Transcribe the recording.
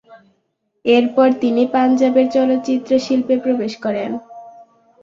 এরপর তিনি পাঞ্জাবের চলচ্চিত্র শিল্পে প্রবেশ করেন।